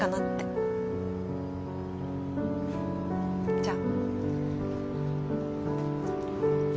じゃあ。